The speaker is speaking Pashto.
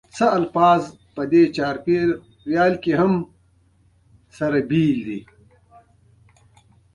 د زراعتي محصولاتو د بسته بندۍ نوښتونه باید وده ومومي.